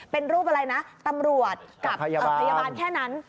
เป็นรูปอะไรนะตำรวจกับพยาบาลแค่นั้น